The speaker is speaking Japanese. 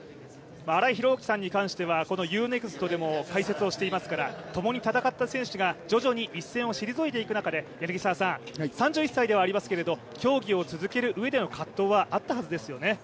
荒井さんに関してはＵ−ＮＥＸＴでも解説していますからともに戦った選手が、一線を退いていく中で、３１歳ではありますけれども、競技を続けるうえでの葛藤はあったはずですよね。